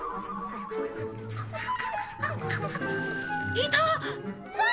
いた！